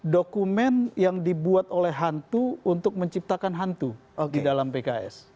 dokumen yang dibuat oleh hantu untuk menciptakan hantu di dalam pks